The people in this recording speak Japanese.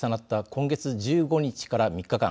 今月１５日から３日間